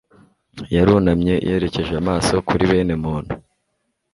yarunamye yerekeje amaso kuri bene muntu